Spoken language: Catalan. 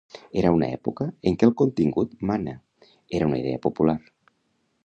Era una època en què "el contingut mana" era una idea popular.